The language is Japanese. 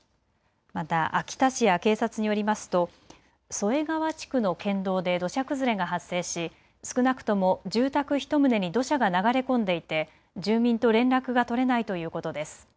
また秋田市や警察によりますと添川地区の県道で土砂崩れが発生し、少なくとも住宅１棟に土砂が流れ込んでいて住民と連絡が取れないということです。